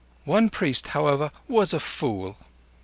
One priest, however, was a fool.